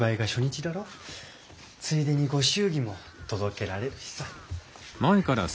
ついでにご祝儀も届けられるしさ。